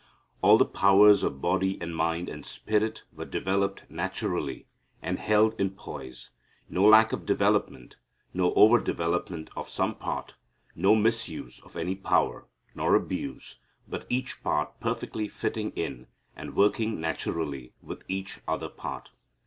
All the powers of body and mind and spirit were developed naturally and held in poise, no lack of development, no over development of some part, no misuse of any power, nor abuse, but each part perfectly fitting in and working naturally with each other part.